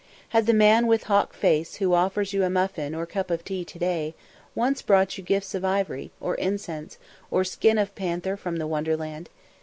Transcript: Had the man with hawk face who offers you a muffin or cup of tea to day once brought you gifts of ivory, or incense, or skin of panther from the wonderland?